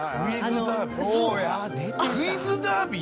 『クイズダービー』。